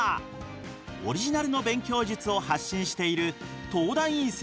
オリジナルの勉強術を発信している東大院